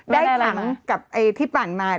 ได้ถังกับตัวที่ปั่นมา